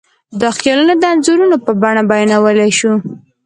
دا خیالونه د انځورونو په بڼه بیانولی شو.